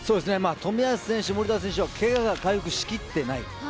冨安選手、守田選手はけがが回復しきっていない。